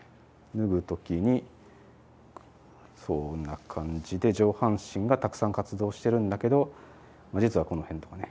脱ぐ時にそんな感じで上半身がたくさん活動してるんだけど実はこの辺とかね